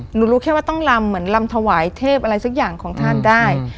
หนูรู้แค่ว่าต้องลำเหมือนลำถวายเทพอะไรสักอย่างของท่านได้